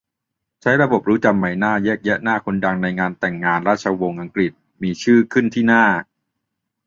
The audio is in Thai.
ใช้ระบบรู้จำใบหน้าแยกแยะหน้าคนดังในงานแต่งงานราชวงศ์อังกฤษ มีชื่อขึ้นที่หน้า